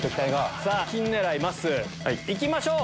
金狙いまっすーいきましょう。